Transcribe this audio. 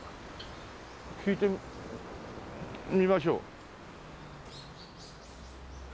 聞いてみましょう。